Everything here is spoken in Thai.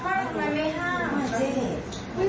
ทำไมไม่ห้าม